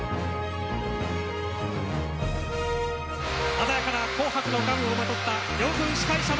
・鮮やかな紅白のガウンをまとった両軍司会者の登場です。